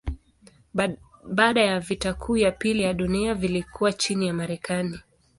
Baada ya vita kuu ya pili ya dunia vilikuwa chini ya Marekani.